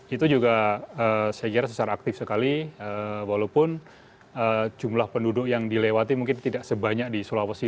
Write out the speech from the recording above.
itu juga saya kira sesar aktif sekali walaupun jumlah penduduk yang dilewati mungkin tidak sebanyak di sulawesi